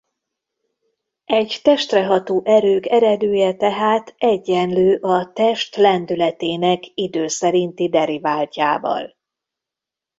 Egy testre ható erők eredője tehát egyenlő a test lendületének idő szerinti deriváltjával.